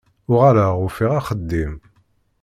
Uɣaleɣ ufiɣ axeddim.